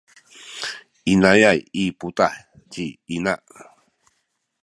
inayay i putah ci ina.